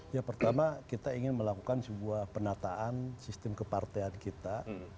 ya pertama kita ingin melakukan sebuah penataan sistem kepartean kita